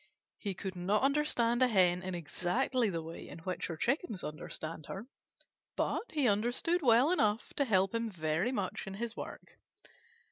He could not understand a Hen in exactly the way in which her Chickens understand her, but he understood well enough to help him very much in his work.